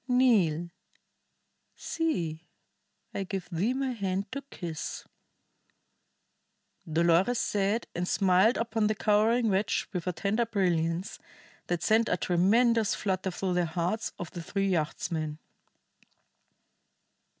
"Kneel! See, I give thee my hand to kiss," Dolores said, and smiled upon the cowering wretch with a tender brilliance that sent a tremendous flutter through the hearts of the three yachtsmen.